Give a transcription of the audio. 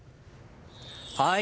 はい。